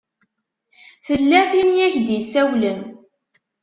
Tella tin i ak-d-isawlen.